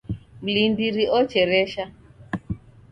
Mlindiri ocheresha